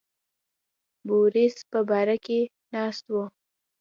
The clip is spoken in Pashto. بوریس په بار کې ناست و.